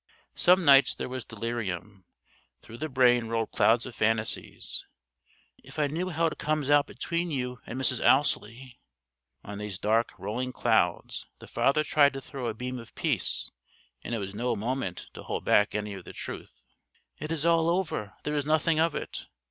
Some nights there was delirium. Through the brain rolled clouds of fantasies: "... If I knew how it comes out between you and Mrs. Ousley...." On these dark rolling clouds the father tried to throw a beam of peace: and it was no moment to hold back any of the truth: "_It is all over!... There is nothing of it.